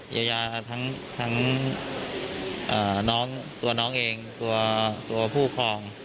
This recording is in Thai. ยายาทั้งน้องตัวน้องเองตัวผู้ครอง